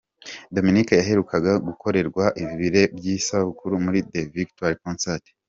Dominic yaherukaga gukorerwa ibirori by’isabukuru muri “The Victory Concert”.